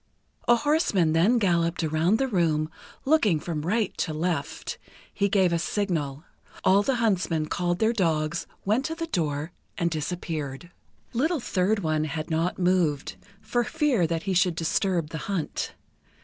A horseman then galloped around the room, looking from right to left. He gave a signal. All the huntsmen called their dogs, went to the door, and disappeared. Little Third One had not moved, for fear that he should disturb the hunt.